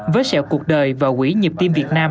với sẹo cuộc đời và quỹ nhịp tim việt nam